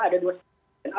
ada dua segala hal